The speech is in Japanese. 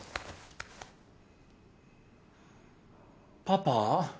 パパ？